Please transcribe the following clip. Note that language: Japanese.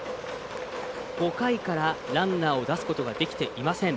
５回からランナーを出すことができていません。